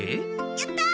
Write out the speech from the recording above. やった！